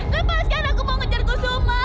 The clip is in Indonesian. lepaskan aku mau ngejar kusuma